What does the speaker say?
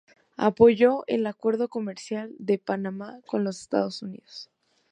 Apoyó el acuerdo comercial de Panamá con los Estados Unidos.